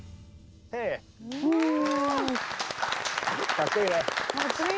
かっこいい！